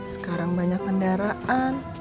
sekarang banyak kendaraan